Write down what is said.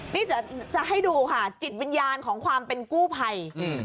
นี่จะให้ดูค่ะจิตวิญญาณของความเป็นกู้ภัย